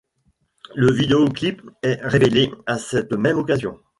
Le vidéoclip est révélé à cette même occasion.